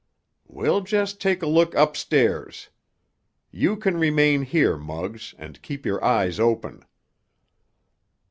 "We'll just take a look upstairs. You can remain here, Muggs, and keep your eyes open."